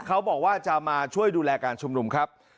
เขาบอกว่าจะมาช่วยดูแลการชุมนุมครับ